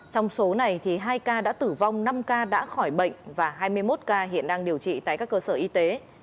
trong số này hai ca đã tử vong năm ca đã khỏi bệnh và hai mươi một ca hiện đang điều trị tại các cơ sở y tế